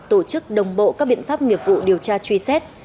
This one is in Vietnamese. tổ chức đồng bộ các biện pháp nghiệp vụ điều tra truy xét